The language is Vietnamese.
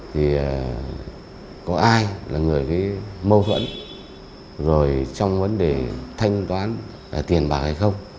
thì có ai là người mâu thuẫn rồi trong vấn đề thanh toán tiền bảo hay không